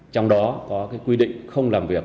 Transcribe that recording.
trong đó có quy định không làm việc